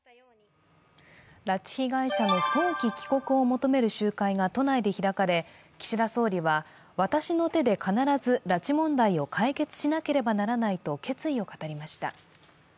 拉致被害者の早期帰国を求める集会が都内で開かれ岸田総理は、私の手で必ず拉致問題を解決しなければならないと決意を語りました。